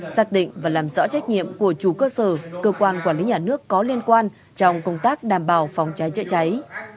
xác định và làm rõ trách nhiệm của chủ cơ sở cơ quan quản lý nhà nước có liên quan trong công tác đảm bảo phòng cháy chữa cháy